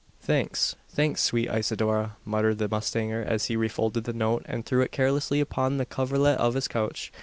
"Thanks thanks, sweet Isidora!" muttered the mustanger, as he refolded the note, and threw it carelessly upon the coverlet of his couch.